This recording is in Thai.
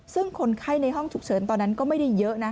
ซึ่งคนไข้ในห้องฉุกเฉินตอนนั้นก็ไม่ได้เยอะนะ